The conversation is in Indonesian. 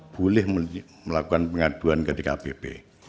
boleh melakukan pengaduan ke dkpp